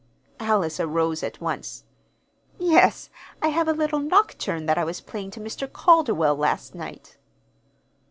Alice arose at once. "Yes. I have a little nocturne that I was playing to Mr. Calderwell last night."